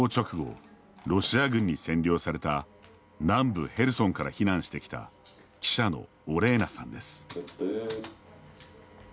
ロシア軍に占領された南部ヘルソンから避難してきた記者のオレーナさんです。